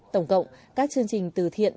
tổng cộng các chương trình từ thiện